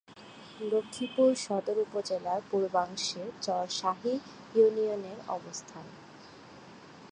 লক্ষ্মীপুর সদর উপজেলার পূর্বাংশে চর শাহী ইউনিয়নের অবস্থান।